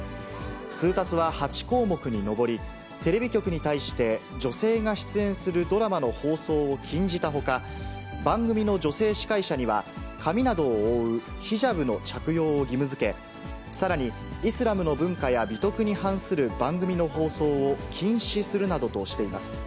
通達は８項目に上り、テレビ局に対して、女性が出演するドラマの放送を禁じたほか、番組の女性司会者には、髪などを覆うヒジャブの着用を義務付け、さらに、イスラムの文化や美徳に反する番組の放送を禁止するなどとしています。